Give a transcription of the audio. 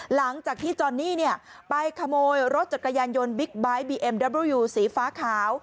หลังจากที่จอนนี่ไปขโมยรถจักรยานยนต์บิ๊กไบท์บีเอ็มดับรูยูสีฟ้าขาว